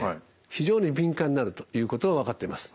非常に敏感になるということが分かってます。